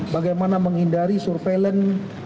bagaimana menghindari surveilan